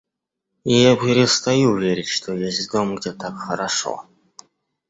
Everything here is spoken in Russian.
Я перестаю верить, что есть дом, где так хорошо.